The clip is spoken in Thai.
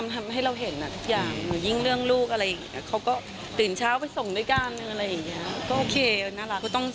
บอกมากขึ้นคุยกันมากขึ้นแค่นั้นเอง